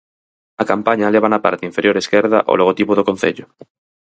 A campaña leva na parte inferior esquerda o logotipo do concello.